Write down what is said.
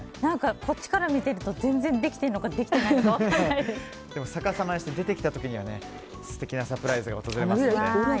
こっちから見てると全然、できてるのかでも逆さにして出てきた時には素敵なサプライズが訪れますね。